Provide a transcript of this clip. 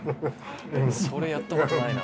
それやったことないな。